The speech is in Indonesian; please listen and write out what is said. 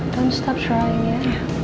jangan berhenti mencoba ya